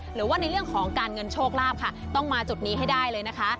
หรือว่าในเรื่องของการเงินโชคลาภค่ะต้องมาจุดนี้ให้ได้เลยนะคะ